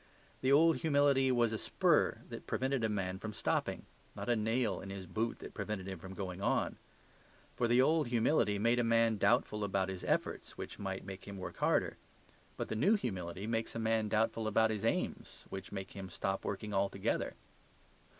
The old humility was a spur that prevented a man from stopping; not a nail in his boot that prevented him from going on. For the old humility made a man doubtful about his efforts, which might make him work harder. But the new humility makes a man doubtful about his aims, which will make him stop working altogether.